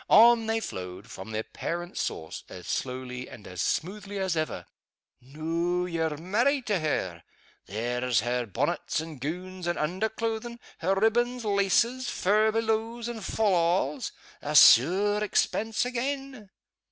On they flowed from their parent source, as slowly and as smoothly as ever! "Noo ye're married to her, there's her bonnets and goons and under clothin' her ribbons, laces, furbelows, and fallals. A sair expense again!"